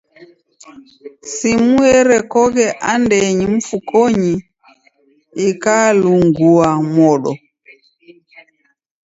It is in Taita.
Simu erekoghe andenyi mfukonyi ikalungua modo.